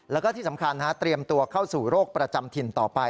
แล้วก็ที่สำคัญเตรียมตัวเข้าสู่โรคประจำถิ่นต่อไป